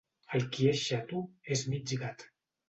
El qui és xato és mig gat.